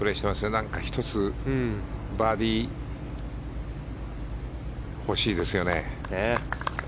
何か１つ、バーディーが欲しいですよね。